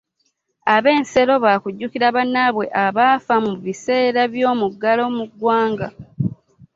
Ab'ensero ba kujjukira bannaabwe abaafa mu biseera by'omuggalo mu ggwanga